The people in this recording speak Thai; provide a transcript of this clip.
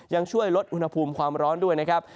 ยังช่วยลดอุณหภูมิความร้อนด้วยนะครับ